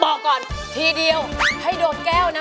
บอกก่อนทีเดียวให้โดมแก้วนะ